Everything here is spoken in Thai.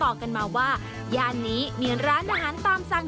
บอกกันมาว่าย่านนี้มีร้านอาหารตามสั่ง